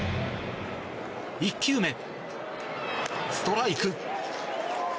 １球目、ストライク。